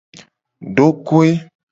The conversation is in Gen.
Dokoe.